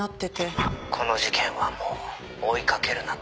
「“この事件はもう追いかけるな”と」